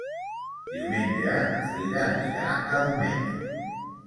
Diumenge na Frida anirà a Domenyo.